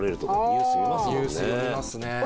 ニュース読みますね。